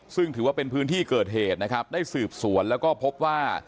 ซึ่งถือว่าเป็นพื้นที่เกิดเหตุนะครับได้สืบสวนแล้วก็พบว่า